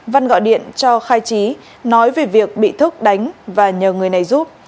văn gọi điện cho khai trí nói về việc bị thức đánh và nhờ người này giúp